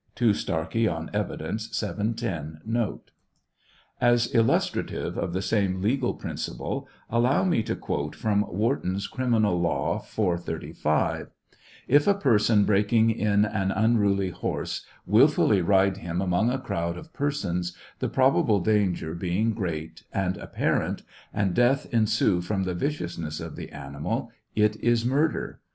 (2 Starkie on Evidence, 7J0, note.) As illustrative of the same legal principle, allow me to quote from Wharton's Criminal Law, 435; If a person breaking in an unruly horse wilfully ride him among a ciowd of persons, the probable danger being great and apparent, and death ensue from the viciousness of the ani mal, it is murder.